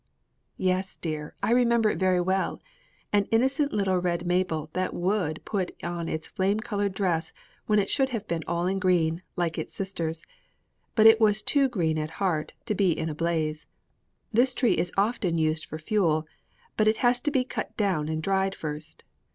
"Yes, dear, I remember it very well an innocent little red maple that would put on its flame colored dress when it should have been all in green, like its sisters; but it was too green at heart to be in a blaze. This tree is often used for fuel, but it has to be cut down and dried first.